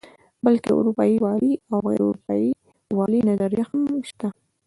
بلکې د اروپايي والي او غیر اروپايي والي نظریه هم شته.